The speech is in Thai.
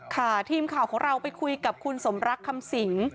ค่ะทีมข่าวของเราไปคุยกับคุณสมรักคำสิง